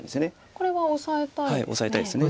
これはオサえたいですね。